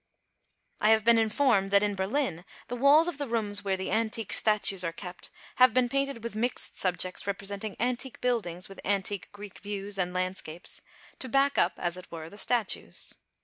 I have been informed that in Berlin the walls of the rooms where the antique statues are kept have been painted with mixed subjects representing antique buildings with antique Greek views and landscapes, to back up, as it were, the statues.